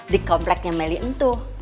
di kompleknya meli itu